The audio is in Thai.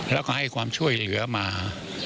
แล้วก็ให้ความช่วยเหลือมา